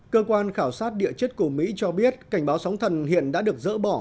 cơ quan khảo sát địa chất của mỹ cho biết cảnh báo sóng thần hiện đã được dỡ bỏ